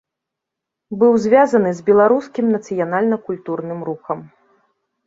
Быў звязаны з беларускім нацыянальна-культурным рухам.